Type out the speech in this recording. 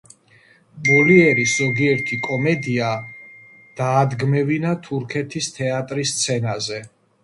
მოლიერის ზოგიერთი კომედია დაადგმევინა თურქეთის თეატრების სცენაზე.